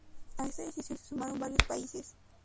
A esta decisión se sumaron varios países.